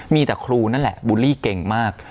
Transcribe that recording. มีแต่ครูนั่นแหละบูลลี่เก่งมาก